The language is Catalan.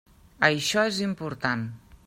Això és important.